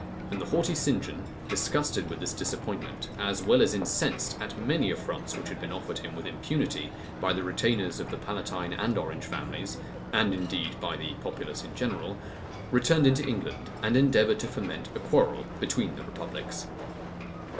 And the haughty St. John, disgusted with this disappointment, as well as incensed at many affronts which had been offered him with impunity by the retainers of the Palatine and Orange families, and indeed by the populace in general, returned into England, and endeavored to foment a quarrel between the republics.